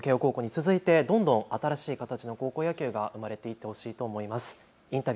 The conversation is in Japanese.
これから慶応高校に続いてどんどん新しい形の高校野球が生まれていってほしいと思います。